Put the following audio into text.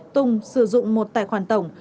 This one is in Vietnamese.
tùng sử dụng một tài khoản tổng